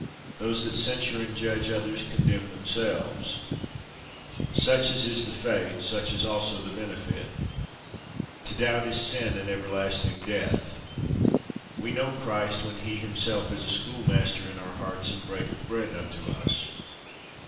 Those that censure and judge others, condemn themselves. Such as is the Faith, such is also the benefit. To doubt is sin and everlasting death. We know Christ when he himself is a schoolmaster in our hearts, and breaketh bread unto us.